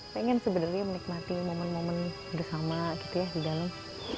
pengen sebenarnya menikmati momen momen bersama gitu ya di dalam